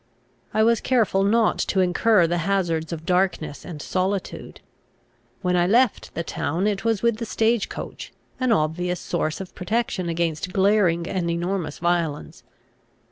I was careful not to incur the hazards of darkness and solitude. When I left the town it was with the stage coach, an obvious source of protection against glaring and enormous violence.